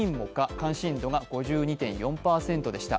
関心度が５２．４％でした。